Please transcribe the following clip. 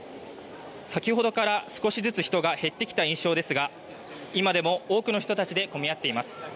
先ほどから少しずつ人が減ってきた印象ですが今でも多くの人たちで混み合っています。